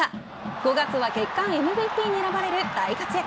５月は月間ＭＶＰに選ばれる大活躍。